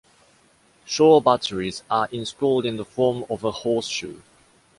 Shore batteries are installed in the form of a horseshoe.